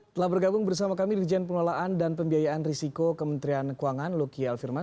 telah bergabung bersama kami di jendela penolaan dan pembiayaan risiko kementerian keuangan luki alfirman